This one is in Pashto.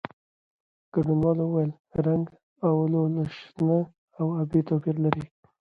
ګډونوالو وویل، رنګ "اولو" له شنه او ابي توپیر لري.